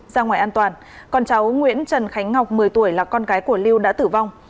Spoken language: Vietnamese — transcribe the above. ra ngoài an toàn còn cháu nguyễn trần khánh ngọc một mươi tuổi là con gái của lưu đã tử vong